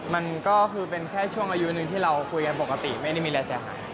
มันก็คือเป็นแค่ช่วงอายุหนึ่งที่เราคุยกันปกติไม่ได้มีอะไรเสียหาย